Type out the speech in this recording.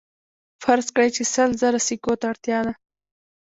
فرض کړئ چې سل زره سکو ته اړتیا ده